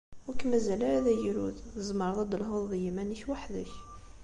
Ur k-mazal ara d agrud, tzemreḍ ad d-telhuḍ d yiman-ik weḥd-k.